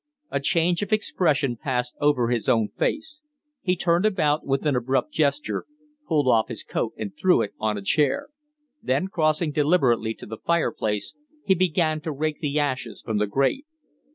A change of expression passed over his own face; he turned about with an abrupt gesture, pulled off his coat and threw it on a chair; then crossing deliberately to the fireplace, he began to rake the ashes from the grate.